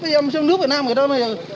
bây giờ em trong nước việt nam ở đâu bây giờ